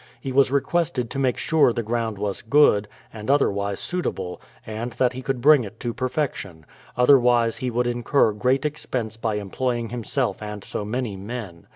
He was requested to make sure the ground was good, and otherwise suitable, and that he could bring it to perfection; otherwise he would incur great expense by employing himself and so many men.